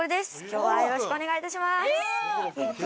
今日はよろしくお願いいたします